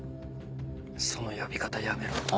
その呼び方やめろ。